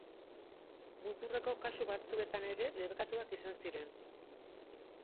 Muturreko kasu batzuetan ere debekatuak izan ziren.